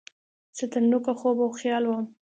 سر ترنوکه خوب او خیال وم